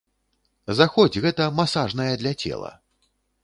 Заходзь, гэта масажная для цела.